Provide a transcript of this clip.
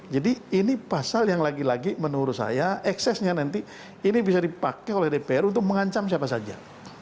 jadi ini pasal yang lagi lagi menurut saya eksesnya nanti ini bisa dipakai oleh dpr untuk mengancam siapa saja